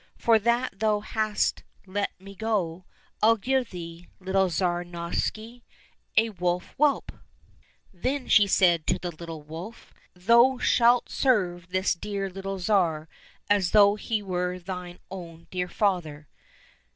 For that thou hast let me go, I'll give thee, little Tsar Novishny, a wolf whelp." — Then she said to the little wolf, '' Thou shalt serve this dear little Tsar as though he were thine own dear father."